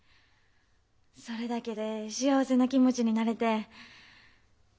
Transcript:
それだけで幸せな気持ちになれて。